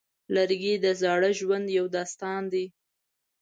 لرګی د زاړه ژوند یو داستان دی.